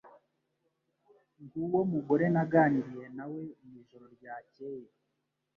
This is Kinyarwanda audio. Nguwo mugore naganiriye nawe mwijoro ryakeye